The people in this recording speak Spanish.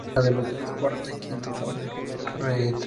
Las de los dedos cuarto y quinto son retráctiles.